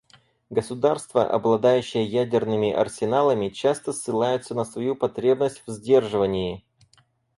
Государства, обладающие ядерными арсеналами, часто ссылаются на свою потребность в сдерживании.